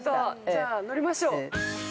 ◆じゃあ乗りましょう。